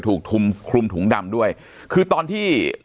ปากกับภาคภูมิ